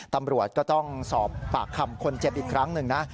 ตำรวจก็ต้องสอบปากคำคนเจ็บอีกครั้งหนึ่งนะ